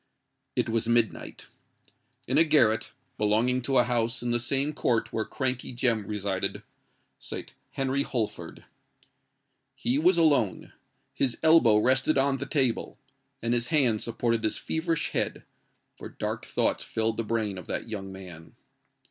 It was midnight. In a garret, belonging to a house in the same court where Crankey Jem resided, sate Henry Holford. He was alone. His elbow rested on the table, and his hand supported his feverish head—for dark thoughts filled the brain of that young man.